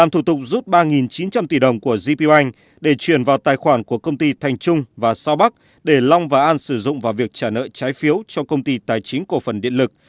thủ tục rút ba chín trăm linh tỷ đồng của gp anh để chuyển vào tài khoản của công ty thành trung và sao bắc để long và an sử dụng vào việc trả nợ trái phiếu cho công ty tài chính cổ phần điện lực